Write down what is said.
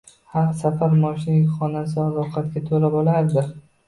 Har safar mashina yukxonasi oziq-ovqatga to`la bo`lardi